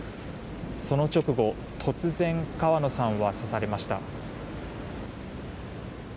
その直後、突然川野さんは刺されました。